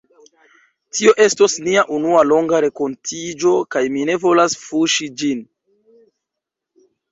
Tio estos nia unua longa renkontiĝo, kaj mi ne volas fuŝi ĝin.